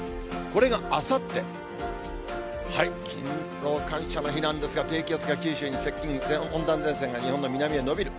これがあさって、勤労感謝の日なんですが、低気圧が九州に接近、温暖前線が日本の南に延びる。